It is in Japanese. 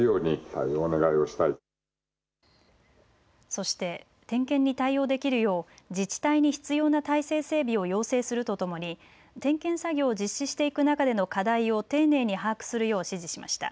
そして、点検に対応できるよう自治体に必要な体制整備を要請するとともに点検作業を実施していく中での課題を丁寧に把握するよう指示しました。